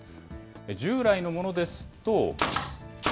従来のものですと。